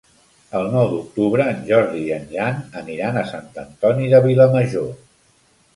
El nou d'octubre en Jordi i en Jan aniran a Sant Antoni de Vilamajor.